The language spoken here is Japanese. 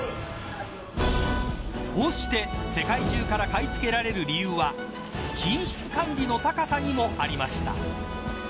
こうして世界中から買い付けられる理由は品質管理の高さにもありました。